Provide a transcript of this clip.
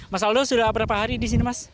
mas aldo sudah berapa hari di sini mas